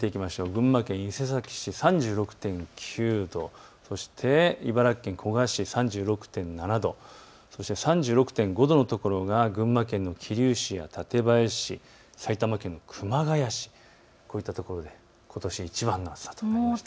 群馬県伊勢崎市３６．９度、そして茨城県古河市３６．７度、そして３６．５度のところが群馬県桐生市や館林市、埼玉県の熊谷市、こういったところでことしいちばんの暑さとなりました。